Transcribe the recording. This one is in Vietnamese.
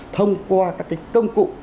thông qua các cái công cụ